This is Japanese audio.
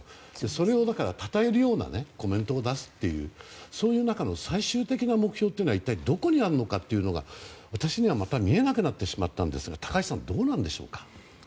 それをたたえるようなコメントを出すというそういう中での最終的な目標は一体どこにあるのかというのが私には見えなくなってしまったんですが高橋さん、どうなんでしょうか。